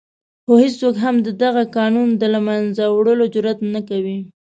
خو هېڅوک هم د دغه قانون د له منځه وړلو جرآت نه کوي.